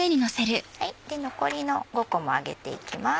残りの５個も上げていきます。